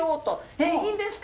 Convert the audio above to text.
「えっいいんですか？